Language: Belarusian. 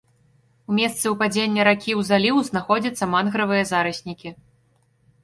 У месцы ўпадзення ракі ў заліў знаходзяцца мангравыя зараснікі.